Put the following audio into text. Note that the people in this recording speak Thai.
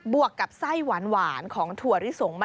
วกกับไส้หวานของถั่วลิสง